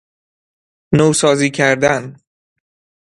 نوسازی کردن